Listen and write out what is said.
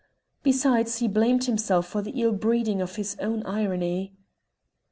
Besides, he blamed himself for the ill breeding of his own irony.